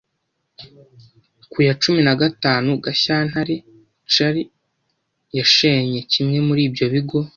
Ku ya cumi nagatanu Gashyantare Cari yashenye kimwe muri ibyo bigo